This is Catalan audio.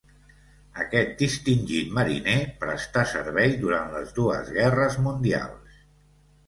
Aquest distingit mariner prestà servei durant les dues guerres mundials.